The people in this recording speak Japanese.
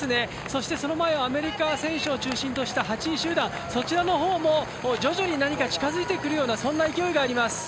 そして、その前をアメリカ選手を中心とした８位集団そちらの方も、徐々に何か近づいてくるようなそんな勢いがあります。